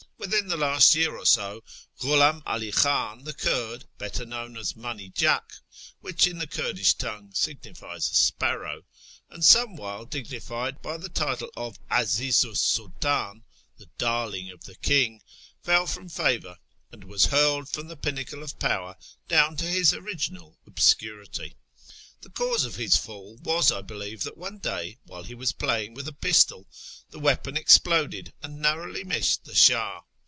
Within the last year or so Ghulam 'All Khan, the Kurd, better known as " Manijak " (which, in the Kurdish tongue, signifies a sparrow), and some while dignified by the title of 'Azizu 's Sultdn (" the Darling of the King "), fell from favour, and was hurled from the pinnacle of power down to his original obscurity. The cause of his fall was, I believe, that one day, while he was playing with a pistol, the weapon exploded and narrowly missed the Shah.